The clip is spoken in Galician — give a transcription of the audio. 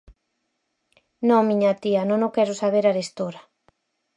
Non, miña tía, non o quero saber arestora.